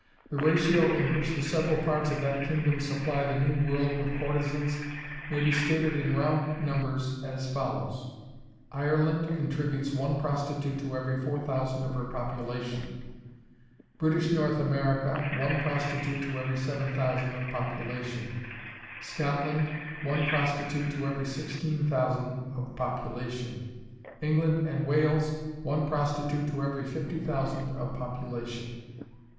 The ratio in which the several parts of that kingdom supply the New World with courtesans may be stated in round numbers as follows: Ireland contributes one prostitute to every four thousand of her population; British North America, one prostitute to every seven thousand of population; Scotland, one prostitute to every sixteen thousand of population; England and Wales, one prostitute to every fifty thousand of population.